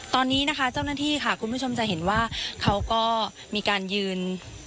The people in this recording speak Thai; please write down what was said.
ตอนนี้นะคะเจ้าหน้าที่ค่ะคุณผู้ชมจะเห็นว่าเขาก็มีการยืน